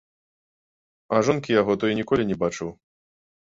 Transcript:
А жонкі яго то і ніколі не бачыў.